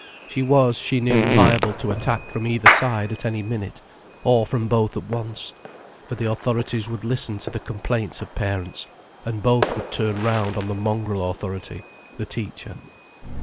She was, she knew, liable to attack from either side at any minute, or from both at once, for the authorities would listen to the complaints of parents, and both would turn round on the mongrel authority, the teacher.